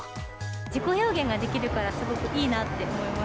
自己表現ができるから、すごくいいなって思います。